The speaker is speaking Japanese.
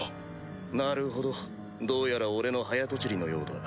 なるほどどうやら俺の早とちりのようだ。